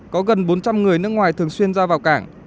có gần bốn trăm linh người nước ngoài thường xuyên ra vào cảng